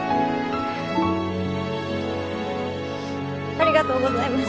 ありがとうございます。